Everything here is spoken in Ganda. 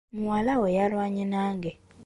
Muwala we yalwanye nange.